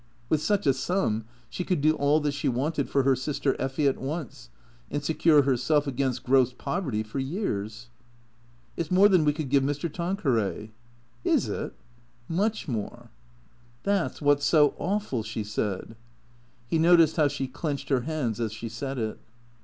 With such a sum she could do all that she Avanted for her sister Effy at once, and secure herself against gross poverty for years. " It 's more than we could give Mr. Tanqueray." "Is it?" "Much more." " That 's what 's so awful," she said. He noticed how she clenched her hands as she said it.